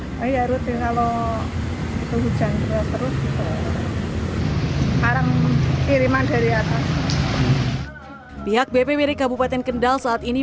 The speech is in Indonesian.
kalau itu hujan terus terus itu sekarang kiriman dari atas pihak bpwd kabupaten kendal saat ini